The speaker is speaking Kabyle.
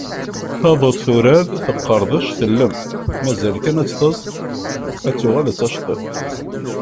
Taduḍt, turad; teqqerdec; tellem. Mazal kan ad tt-teẓḍ, ad tuɣal d tacettiḍt.